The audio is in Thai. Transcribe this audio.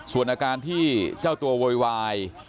ส่วนอาการที่เจ้าตัวโวยวาย